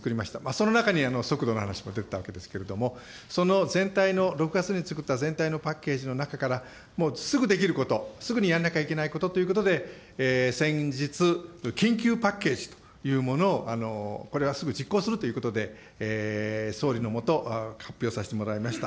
その中に、速度の話も出てたわけですけれども、その全体の、６月に作った全体のパッケージの中から、もうすぐできること、すぐにやんなきゃいけないことということで、先日、緊急パッケージというものを、これはすぐ実行するということで、総理の下、発表させてもらいました。